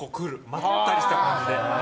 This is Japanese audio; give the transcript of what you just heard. まったりした感じで。